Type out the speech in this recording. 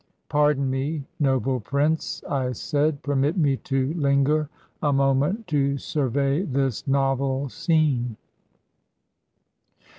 ''Pardon me, noble prince," I said; "permit me to linger a moment to survey this novel scene."